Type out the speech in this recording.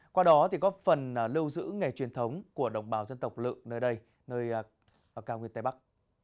qua đó góp phần lưu giữ nghề truyền thống của đồng bào dân tộc lự nơi đây nơi cao nguyên tây bắc